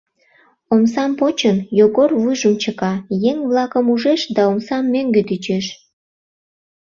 Омсам почын, Йогор вуйжым чыка, еҥ-влакым ужеш да омсам мӧҥгӧ тӱчеш.